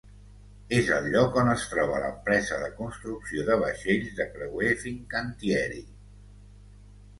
És el lloc on es troba l'empresa de construcció de vaixells de creuer Fincantieri.